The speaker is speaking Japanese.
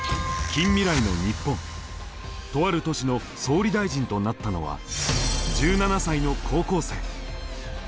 とある都市の総理大臣となったのは１７才の高校生。